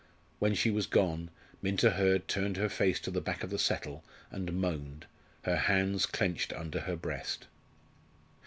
When she was gone, Minta Hurd turned her face to the back of the settle and moaned, her hands clenched under her breast.